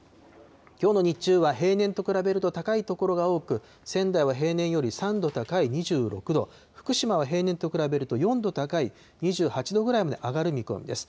きょうの日中は平年と比べると高い所が多く、仙台は平年より３度高い２６度、福島は平年と比べると、４度高い２８度ぐらいまで上がる見込みです。